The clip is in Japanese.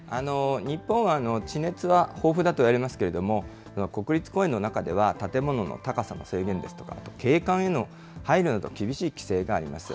日本は地熱は豊富だと言われますが、国立公園の中では、建物の高さの制限ですとか、景観への配慮など、厳しい規制があります。